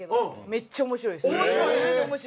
めっちゃ面白いです。